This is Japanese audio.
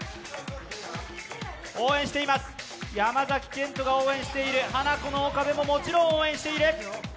応援しています、山崎賢人が応援している、ハナコの岡部ももちろん応援している。